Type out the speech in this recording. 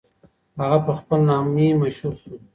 هغه په خپل نامې مشهور سو.